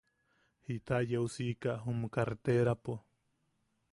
Jita yeu siika jum karreterapo.